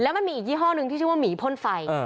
มันมีอีกยี่ห้อหนึ่งที่ชื่อว่าหมีพ่นไฟ